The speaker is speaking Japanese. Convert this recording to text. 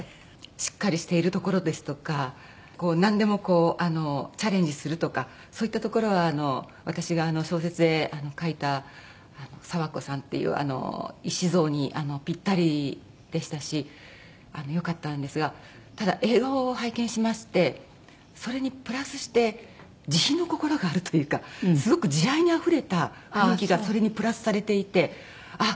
しっかりしているところですとかなんでもこうあのチャレンジするとかそういったところはあの私が小説へ書いた咲和子さんっていう医師像にピッタリでしたしよかったんですがただ映画を拝見しましてそれにプラスして慈悲の心があるというかすごく慈愛にあふれた雰囲気がそれにプラスされていてあっ